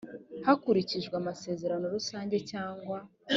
hakurikijwe amasezerano rusange cyangwa